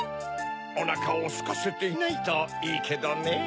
おなかをすかせていないといいけどねぇ。